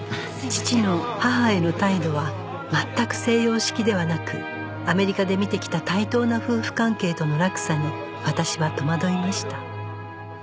父の母への態度は全く西洋式ではなくアメリカで見てきた対等な夫婦関係との落差に私は戸惑いました